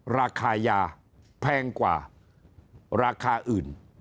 ราคายาแพงกว่าราคาอื่น